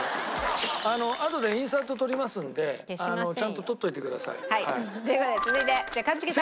あとでインサート撮りますのでちゃんととっておいてください。という事で続いて一茂さん。